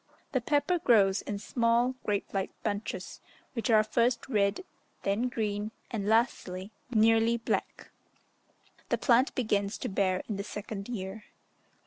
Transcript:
The pepper grows in small, grape like bunches, which are first red, then green, and lastly, nearly black. The plant begins to bear in the second year.